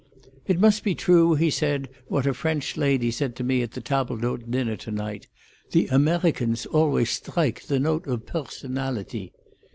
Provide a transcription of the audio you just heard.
"It must be true," he said, "what a French lady said to me at the table d'hôte dinner to night: 'the Amerhicans always strhike the note of perhsonality.'"